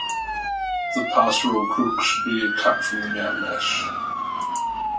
The pastoral crook should be cut from the mountain-ash.